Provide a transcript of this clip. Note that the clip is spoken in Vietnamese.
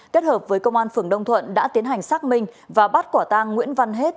kết hợp với công an phường đông thuận đã tiến hành xác minh và bắt quả tang nguyễn văn hết